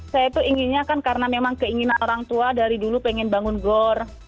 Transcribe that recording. saya itu inginnya kan karena memang keinginan orang tua dari dulu pengen bangun gor